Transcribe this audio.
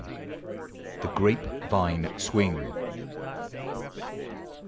231 THi: GRAPE VINE SWING.